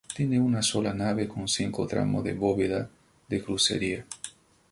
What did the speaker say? Tiene una sola nave con cinco tramos de bóveda de crucería.